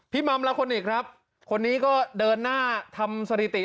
มัมละคนอีกครับคนนี้ก็เดินหน้าทำสถิติ